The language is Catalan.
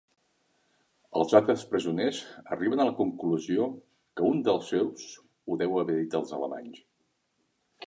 Els altres presoners arriben a la conclusió que un dels seus ho deu haver dit als alemanys.